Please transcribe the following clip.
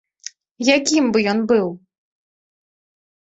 Якім бы ён быў?